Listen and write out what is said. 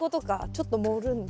ちょっと盛るんだ。